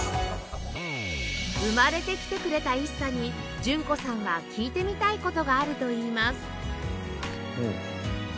生まれてきてくれた ＩＳＳＡ に純子さんは聞いてみたい事があるといいます